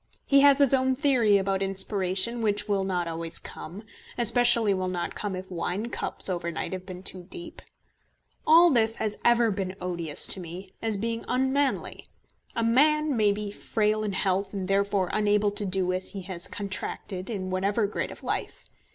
He has his own theory about inspiration which will not always come, especially will not come if wine cups overnight have been too deep. All this has ever been odious to me, as being unmanly. A man may be frail in health, and therefore unable to do as he has contracted in whatever grade of life.